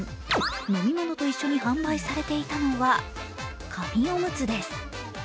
飲み物と一緒に販売されていたのは紙おむつです。